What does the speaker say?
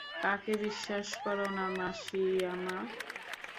কাকে বিশ্বাস কর না মাসিমা ।